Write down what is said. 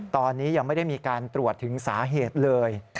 ตอนนี้ยังไม่ได้มีการตรวจถึงสาเหตุเลย